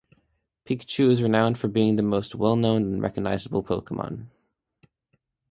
Pikachu is renowned for being the most well-known and recognizable Pokémon.